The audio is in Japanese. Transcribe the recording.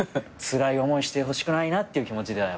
つらい思いしてほしくないなっていう気持ちでは。